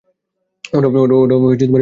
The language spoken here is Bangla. ওরা এই পথেই এসেছে।